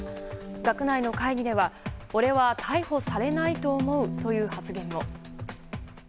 学内の会議では、俺は逮捕されないと思うという発言も。